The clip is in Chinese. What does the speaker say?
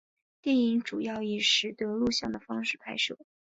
电影主要以拾得录像的方式拍摄。